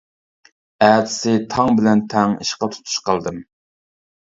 ئەتىسى تاڭ بىلەن تەڭ ئىشقا تۇتۇش قىلدىم.